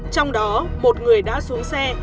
trong đó một người đã xuống xe